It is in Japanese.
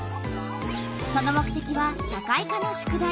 その目てきは社会科の宿題。